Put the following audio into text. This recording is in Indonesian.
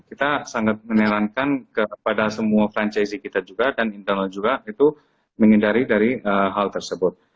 kita sangat menyarankan kepada semua franchasing kita juga dan internal juga itu menghindari dari hal tersebut